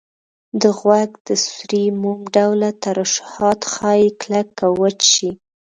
د غوږ د سوري موم ډوله ترشحات ښایي کلک او وچ شي.